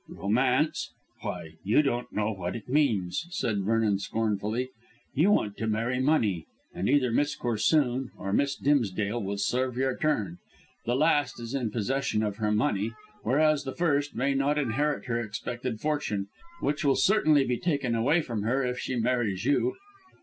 "Romance! Why, you don't know what it means," said Vernon scornfully. "You want to marry money, and either Miss Corsoon or Miss Dimsdale will serve your turn. The last is in possession of her money, whereas the first may not inherit her expected fortune, which will certainly be taken away from her if she marries you.